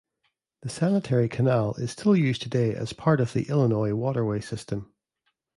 The Sanitary Canal is still used today as part of the Illinois Waterway system.